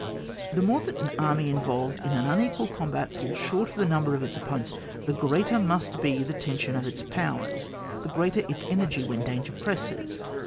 The more that an army involved in an unequal combat falls short of the number of its opponents, the greater must be the tension of its powers, the greater its energy when danger presses.